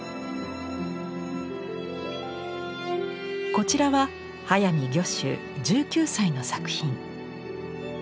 こちらは速水御舟１９歳の作品。